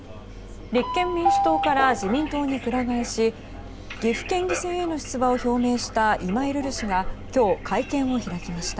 立憲民主党から自民党に鞍替えし岐阜県議選への出馬を表明した今井瑠々氏が今日、会見を開きました。